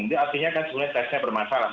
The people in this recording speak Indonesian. jadi artinya kan sebenarnya tesnya bermasalah